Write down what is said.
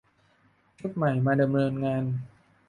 ชุดใหม่มาดำเนินงาน